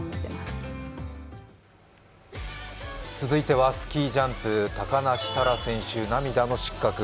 続いてはスキージャンプ高梨沙羅選手、涙の失格。